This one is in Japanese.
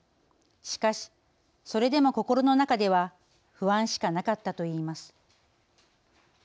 しかし、それでも心の中では不安しかなかったといいます。